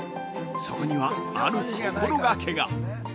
そこには、ある心がけが。